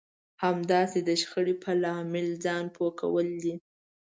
همداسې د شخړې په لامل ځان پوه کول دي.